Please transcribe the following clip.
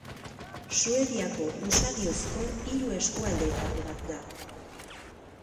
Suediako usadiozko hiru eskualdeetako bat da.